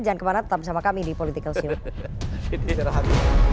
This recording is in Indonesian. jangan kemana tetap bersama kami di politikalshow